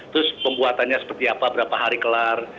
terus pembuatannya seperti apa berapa hari kelar